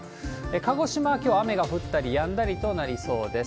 鹿児島、きょう雨が降ったりやんだりとなりそうです。